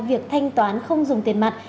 việc thanh toán không dùng tiền mặt